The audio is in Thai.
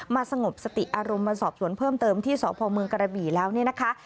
สงบสติอารมณ์มาสอบสวนเพิ่มเติมที่สพเมืองกระบี่แล้วเนี่ยนะคะ